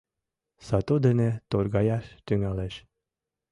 Сату дене торгаяш тӱҥалеш.